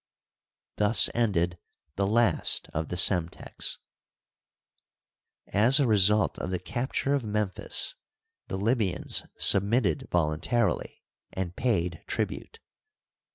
Thus ended the last of the Psemteks. As a result of the capture of Memphis, the Libyans submitted voluntarily, and paid tribute.